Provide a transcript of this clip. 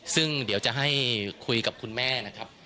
ซึ่งเดี๋ยวจะให้คุยกับคุณแม่นะครับ